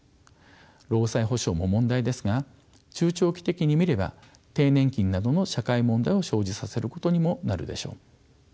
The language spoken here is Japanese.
労災補償も問題ですが中長期的に見れば低年金などの社会問題を生じさせることにもなるでしょう。